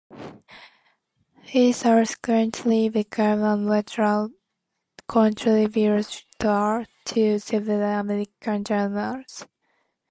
He subsequently became a contributor to several American journals.